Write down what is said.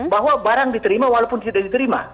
bahwa barang diterima walaupun tidak diterima